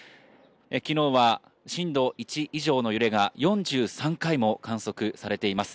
昨日は震度１以上の揺れが４３回も観測されています。